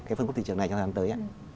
cái phương quốc tỷ trường này cho tháng tới